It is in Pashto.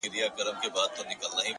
• خوارسومه انجام مي د زړه ور مـات كړ ـ